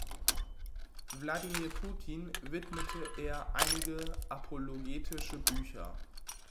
Wladimir Putin widmete er einige apologetische Bücher.